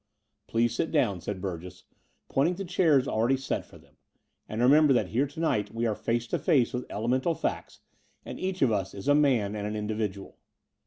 "Please sit down," said Burgess, pointing to chairs already set for them, "and remember that here to night we are face to face with elemental facts, and each of us is a man and an individual.